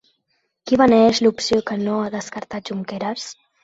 Qui beneeix l'opció que no ha descartat Junqueras?